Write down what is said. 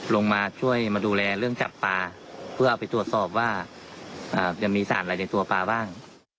ลงมาช่วยมาดูแลเรื่องจับปลาเพื่อเอาไปตรวจสอบว่าจะมีสารอะไรในตัวปลาบ้าง